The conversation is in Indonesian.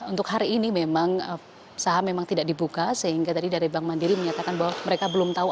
untuk hari ini memang saham memang tidak dibuka sehingga tadi dari bank mandiri menyatakan bahwa mereka belum tahu